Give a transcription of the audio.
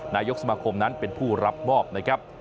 นายกสมาคมนั้นเป็นผู้รับมอบนะครับ